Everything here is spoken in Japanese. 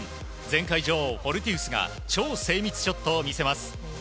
前回女王フォルティウスが超精密ショットを見せます。